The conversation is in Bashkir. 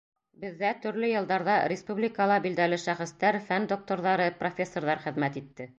Беҙҙә төрлө йылдарҙа республикала билдәле шәхестәр, фән докторҙары, профессорҙар хеҙмәт итте.